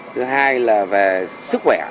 thứ hai là về sức khỏe